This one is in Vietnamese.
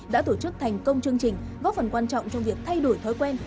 đã tổ chức thành công chương trình góp phần quan trọng trong việc thay đổi thói quen